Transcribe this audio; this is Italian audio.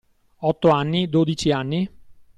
Otto anni, dodici anni?